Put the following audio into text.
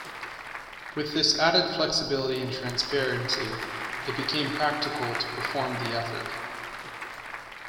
With this added flexibility and transparency, it became practical to perform the effort.